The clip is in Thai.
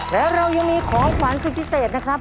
และเรายังมีของขวัญสุดพิเศษนะครับ